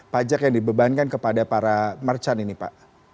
pajak yang dibebankan kepada para merchant ini pak